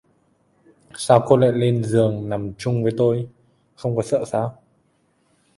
Sao cô lại leo lên giường nằm chung với tôi không có sợ sao